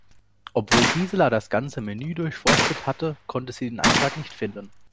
Obwohl Gisela das ganze Menü durchforstet hatte, konnte sie den Eintrag nicht finden.